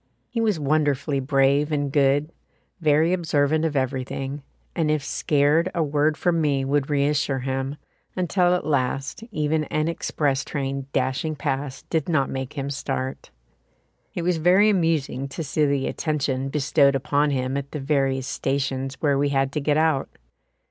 He was wonderfully brave and good, very observant of everything, and if scared a word from me would reassure him, until at last even an express train dashing past did not make him start. It was very amusing to see the attention bestowed upon him at the various stations where we had to get out.